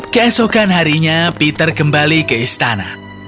keesokan harinya peter kembali ke istana